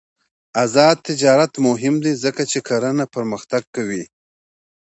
آزاد تجارت مهم دی ځکه چې کرنه پرمختګ کوي.